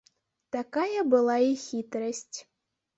Такая была і хітрасць.